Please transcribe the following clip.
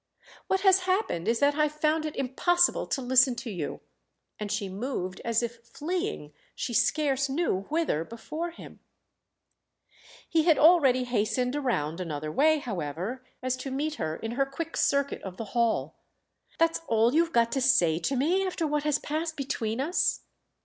"What has happened is that I've found it impossible to listen to you." And she moved as if fleeing she scarce knew whither before him. He had already hastened around another way, however, as to meet her in her quick circuit of the hall. "That's all you've got to say to me after what has passed between us?"